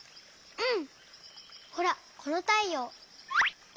うん。